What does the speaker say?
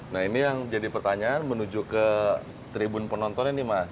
nah ini yang jadi pertanyaan menuju ke tribun penonton ini mas